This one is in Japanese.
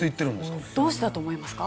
どうしてだと思いますか？